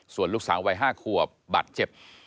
ส่วนลูกสาววัย๕ขวบบาดเจ็บ